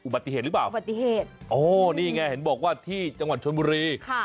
บัตริเหตุหรือเปล่าบัตริเหตุโอ้นี่ไงเห็นบอกว่าที่จังหวัดชนบุรี